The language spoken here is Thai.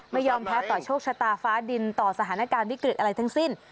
ไม่ยอมแพ้ต่อโชคชะตาฟ้าดินต่อสถานการณ์วิกฤตอะไรทั้งสิ้น